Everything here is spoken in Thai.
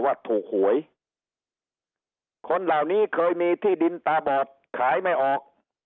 ว่าถูกหวยคนเหล่านี้เคยมีที่ดินตาบอดขายไม่ออก